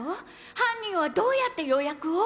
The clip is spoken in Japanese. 犯人はどうやって予約を？